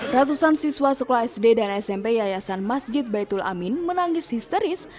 ratusan siswa sekolah sd dan smp yayasan masjid baitul amin menangis histeris